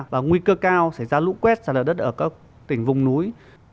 và nguy cơ cao sẽ ra lũ quét ra lợi đất ở các tỉnh vùng núi